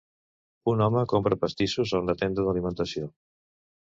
Un home compra pastissos a una tenda d'alimentació.